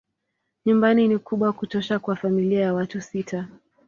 Nyumba ni kubwa kutosha kwa familia ya watu sita.